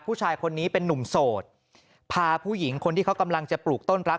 ผู้ชายคนนี้เป็นนุ่มโสดพาผู้หญิงคนที่เขากำลังจะปลูกต้นรัก